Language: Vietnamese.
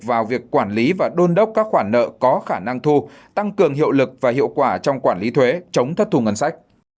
vào việc quản lý và đôn đốc các khoản nợ có khả năng thu tăng cường hiệu lực và hiệu quả trong quản lý thuế chống thất thù ngân sách